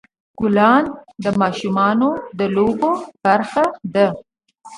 ګلان د ماشومان د لوبو برخه وي.